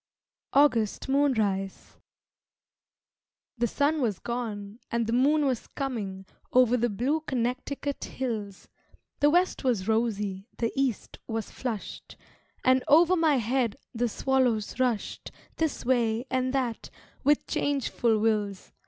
August Moonrise The sun was gone, and the moon was coming Over the blue Connecticut hills; The west was rosy, the east was flushed, And over my head the swallows rushed This way and that, with changeful wills.